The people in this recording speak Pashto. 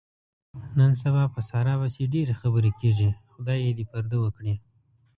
نن سبا په ساره پسې ډېرې خبرې کېږي. خدای یې دې پردې و کړي.